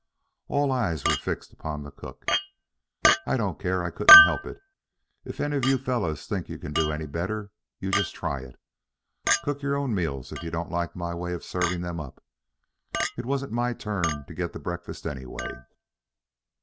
All eyes were fixed upon the cook. "I don't care, I couldn't help it. If any of you fellows think you can do any better, you just try it. Cook your own meals if you don't like my way of serving them up. It wasn't my turn to get the breakfast, anyway."